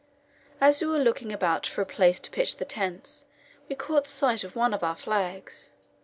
As we were looking about for a place to pitch the tents, we caught sight of one of our flags.